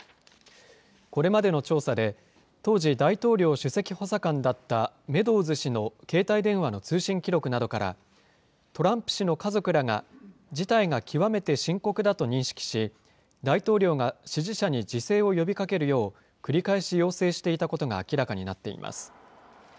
これまでの調査で、当時、大統領首席補佐官だったメドウズ氏の携帯電話の通信記録などから、トランプ氏の家族らが事態が極めて深刻だと認識し、大統領が支持者に自制を呼びかけるよう、繰り返し要請していたことが明らかになっています。